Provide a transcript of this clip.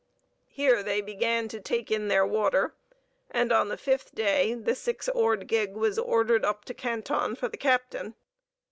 Here they began to take in their water, and on the fifth day the six oared gig was ordered up to Canton for the captain.